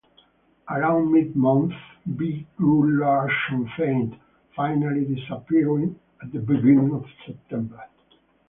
Around mid-month, "B" grew large and faint, finally disappearing at the beginning of September.